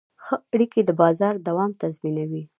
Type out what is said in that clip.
ښه اړیکې د بازار دوام تضمینوي.